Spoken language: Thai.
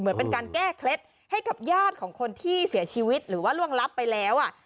เหมือนเป็นการแก้เคล็ดให้กับญาติของคนที่เสียชีวิตหรือว่าล่วงลับไปแล้ว